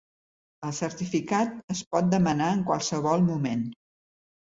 El certificat es pot demanar en qualsevol moment.